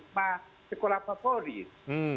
dari paradigma sekolah favorit